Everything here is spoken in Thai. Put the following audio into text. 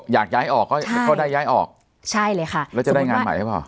อยากย้ายออกก็ได้ย้ายออกใช่เลยค่ะแล้วจะได้งานใหม่หรือเปล่า